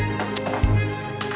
jangan lupa untuk mencoba